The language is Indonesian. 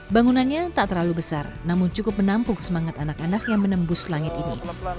bangunannya tak terlalu besar namun cukup menampung semangat anak anak yang menembus langit ini